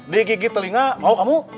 dikigit telinga mau kamu